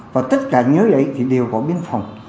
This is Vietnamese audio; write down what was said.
và tất cả nhớ đấy thì đều có biên phòng